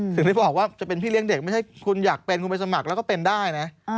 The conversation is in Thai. ถึงได้บอกว่าจะเป็นพี่เลี้ยงเด็กไม่ใช่คุณอยากเป็นคุณไปสมัครแล้วก็เป็นได้นะ